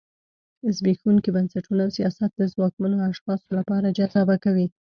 زبېښونکي بنسټونه سیاست د ځواکمنو اشخاصو لپاره جذابه کوي.